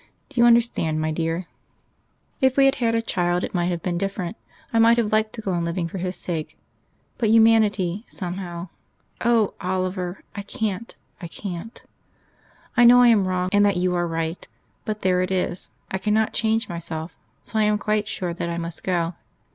Do you understand, my dear? "If we had had a child, it might have been different. I might have liked to go on living for his sake. But Humanity, somehow Oh! Oliver! I can't I can't. "I know I am wrong, and that you are right but there it is; I cannot change myself. So I am quite sure that I must go.